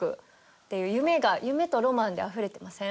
夢が夢とロマンであふれてません？